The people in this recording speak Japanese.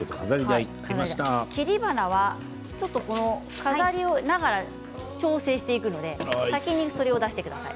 切り花はちょっと飾りながら調整していくので先に、それを出してください。